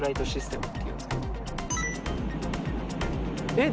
「えっ！